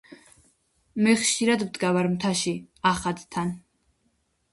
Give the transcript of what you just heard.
მე ხშირად ვდგავარ მთაში ახადთან